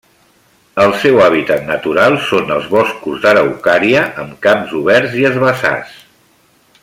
El seu hàbitat natural són els boscos d'araucària amb camps oberts i herbassars.